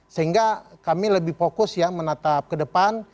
sehingga kami lebih fokus ya menatap ke depan